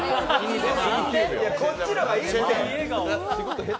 いや、こっちの方がいいって。